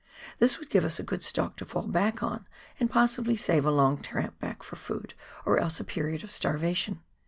This would give us a good stock to fall back on, and possibly save a long tramp back for food or else a period of starvation.